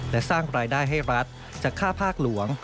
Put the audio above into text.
และสร้างรายได้ให้รัฐจากค่าภาคหลวง